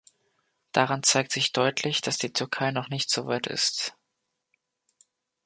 Daran zeigt sich deutlich, dass die Türkei noch nicht so weit ist.